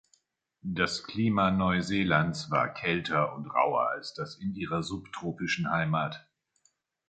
Das Klima Neuseelands war kälter und rauer als das in ihrer subtropischen Heimat.